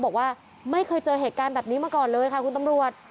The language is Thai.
บอกว่าไม่เคยเจอเหตุการณ์แบบนี้มาก่อนเลยค่ะคุณตำรวจ